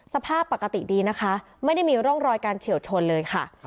สภาพปกติดีนะคะไม่ได้มีร่องรอยการเฉียวชนเลยค่ะ